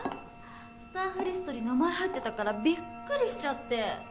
スタッフリストに名前入ってたからびっくりしちゃって。